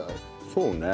そうね。